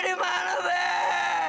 luki kangen bebe